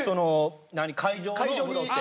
会場のお風呂って。